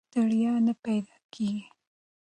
ستړیا نه پیدا کېږي.